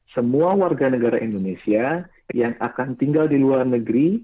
semua warga negara indonesia yang akan tinggal di luar negeri